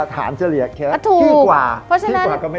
ฐานเจรียร์ครับขึ้นกว่าก็ไม่ได้